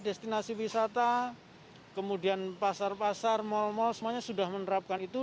destinasi wisata kemudian pasar pasar mal mal semuanya sudah menerapkan itu